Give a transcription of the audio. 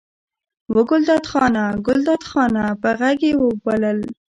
وه ګلداد خانه! ګلداد خانه! په غږ یې وبلل.